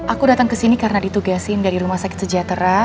aku datang ke sini karena ditugasin dari rumah sakit sejahtera